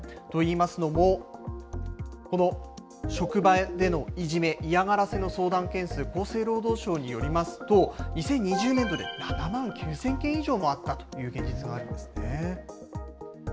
といいますのも、この職場でのいじめ、嫌がらせの相談件数、厚生労働省によりますと、２０２０年度で７万９０００件以上もあったという現実があるんですね。